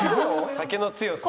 酒の強さね。